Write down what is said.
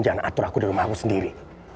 jangan atur aku di rumah aku sendiri